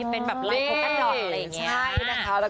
เป็นแบบไลค์โพกัดดอทอะไรอย่างนี้